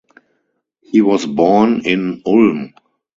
He was born in Ulm.